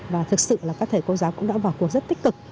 và thực sự là các thầy cô giáo cũng đã vào cuộc rất tích cực